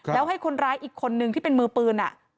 แล้วให้คนร้ายอีกคนนึงที่เป็นมือปืน